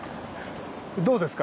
どうですか？